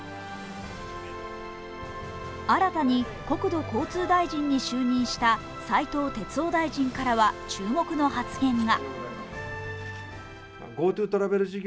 新たに国土交通大臣に就任した斉藤鉄夫大臣からは注目の発言が。